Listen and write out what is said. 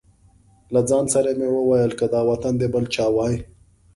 له ځان سره مې وویل که دا وطن د بل چا وای.